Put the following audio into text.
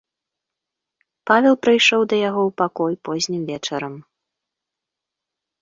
Павел прыйшоў да яго ў пакой познім вечарам.